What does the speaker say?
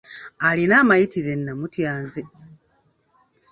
Alina amayitire namutya nze.